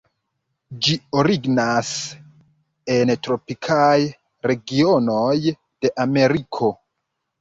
Ĝi originas en tropikaj regionoj de Ameriko.